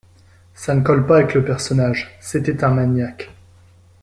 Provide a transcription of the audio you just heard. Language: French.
ça ne colle pas avec le personnage. C’était un maniaque.